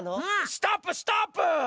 ストップストップ！